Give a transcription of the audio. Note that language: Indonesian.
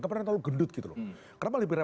kemudian terlalu gendut gitu loh